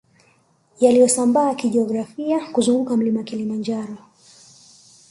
Yaliyosambaa kijiografia kuzunguka mlima Kilimanjaro